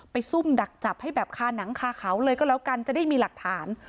ซุ่มดักจับให้แบบคาหนังคาเขาเลยก็แล้วกันจะได้มีหลักฐาน